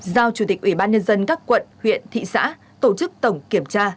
giao chủ tịch ủy ban nhân dân các quận huyện thị xã tổ chức tổng kiểm tra